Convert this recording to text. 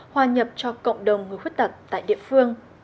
hòa nhập cho cộng đồng người khuyết tật tại địa phương